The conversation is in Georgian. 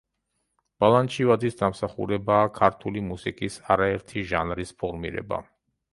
ბალანჩივაძის დამსახურებაა ქართული მუსიკის არაერთი ჟანრის ფორმირება.